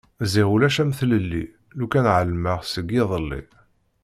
Ziɣ ulac am tlelli... lukan ɛelmeɣ seg yiḍelli!